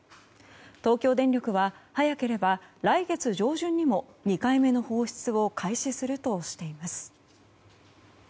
東京電力は早ければ来月上旬にも２回目の放出を開始するとしています。